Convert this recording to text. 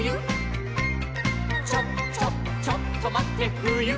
「ちょっちょっちょっとまってふゆ！」